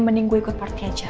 mending gue ikut party aja